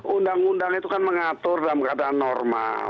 undang undang itu kan mengatur dalam keadaan normal